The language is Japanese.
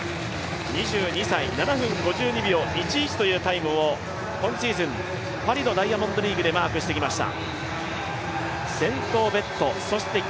２２歳、７分５２秒１１というタイムを今シーズン、パリのダイヤモンドリーグでマークしてきました。